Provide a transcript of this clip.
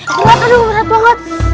adil berat adil berat banget